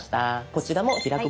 こちらも「開く」